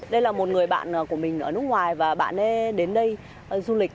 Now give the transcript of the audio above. đây là một người bạn của mình ở nước ngoài và bạn ấy đến đây du lịch